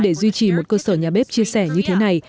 để duy trì một cơ sở nhà bếp chia sẻ như thế này